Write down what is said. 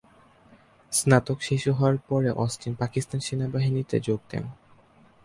স্নাতক শেষ হওয়ার পরে অস্টিন পাকিস্তান সেনাবাহিনীতে যোগ দেন।